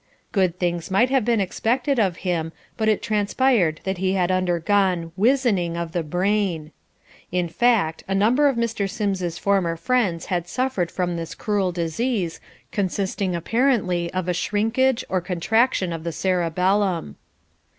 Good things might have been expected of him, but it transpired that he had undergone "wizening of the brain." In fact, a number of Mr. Sims's former friends had suffered from this cruel disease, consisting apparently of a shrinkage or contraction of the cerebellum.